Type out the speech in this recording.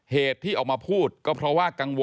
เหตุที่ออกมาพูดก็เพราะว่ากังวล